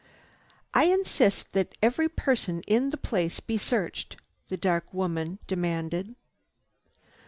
"I insist that every person in the place be searched!" the dark woman demanded.